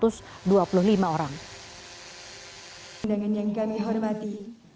pendangan yang kami hormati